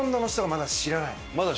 まだ知らない。